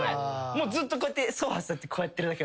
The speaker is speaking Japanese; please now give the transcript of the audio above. もうずっとこうやってソファ座ってこうやってるだけ。